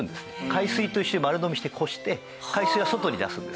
海水と一緒に丸のみしてこして海水は外に出すんですね。